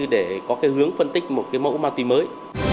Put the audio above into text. để có hướng phân tích một mẫu ma túy mới